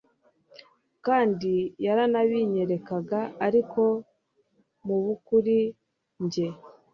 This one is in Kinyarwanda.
kandi yaranabinyerekaga ariko mu bukuri njye